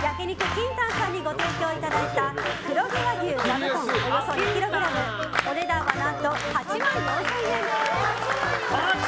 ＫＩＮＴＡＮさんにご提供いただいた黒毛和牛ザブトン、およそ２ｋｇお値段何と８万４０００円です。